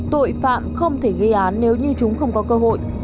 tội phạm không thể gây án nếu như chúng không có cơ hội